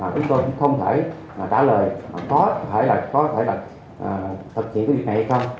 chúng tôi không thể trả lời có thể là thực hiện cái việc này hay không